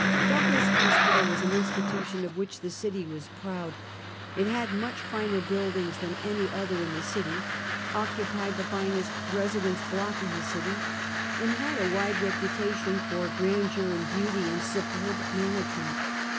Douglas Hospital was an institution of which the city was proud. It had much finer buildings than any other in the city, occupied the finest residence block in the city, and had a wide reputation for gran deur and beauty and superb management.